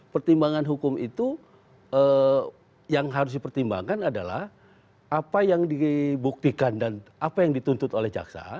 pertimbangan hukum itu yang harus dipertimbangkan adalah apa yang dibuktikan dan apa yang dituntut oleh jaksa